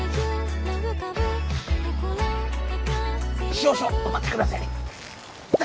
少々お待ちください